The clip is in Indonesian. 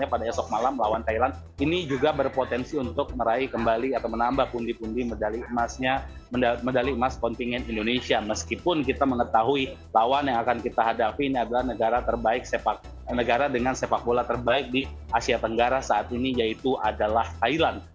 pada esok malam lawan thailand ini juga berpotensi untuk meraih kembali atau menambah pundi pundi emas kontingen indonesia meskipun kita mengetahui lawan yang akan kita hadapi ini adalah negara terbaik negara dengan sepak bola terbaik di asia tenggara saat ini yaitu adalah thailand